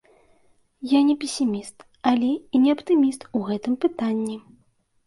Я не песіміст, але і не аптыміст у гэтым пытанні.